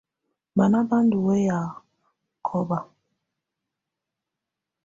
Bana ba ndù wɛya kɔba.